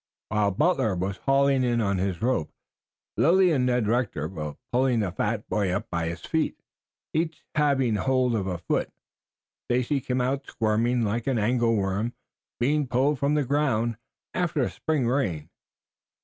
While Butler was hauling in on his rope, Lilly and Ned Rector were pulling the fat boy up by his feet, each having hold of a foot. Stacy came out squirming like an angleworm being pulled from the ground after a spring rain.